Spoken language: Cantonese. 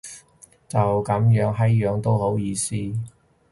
就噉個閪樣都好意思